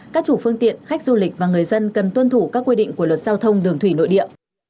các chủ phương tiện khách du lịch và người dân cần tuân thủ các quy định của luật giao thông đường thủy nội địa